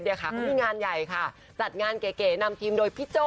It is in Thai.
เขามีงานใหญ่ค่ะจัดงานเก๋นำทีมโดยพี่โจ้